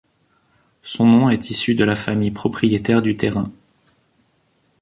Son nom est issu de la famille propriétaire du terrain.